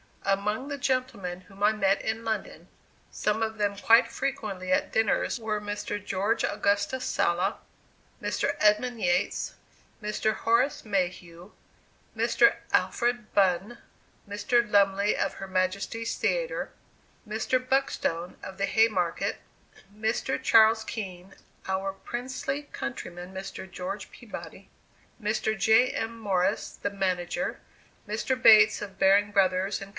Among the gentlemen whom I met in London, some of them quite frequently at dinners, were Mr. George Augustus Sala, Mr. Edmund Yates, Mr. Horace Mayhew, Mr. Alfred Bunn, Mr. Lumley, of Her Majesty's Theatre, Mr. Buckstone, of the Haymarket, Mr. Charles Kean, our princely countrymen Mr. George Peabody, Mr. J. M. Morris, the manager, Mr. Bates, of Baring, Brothers & Co.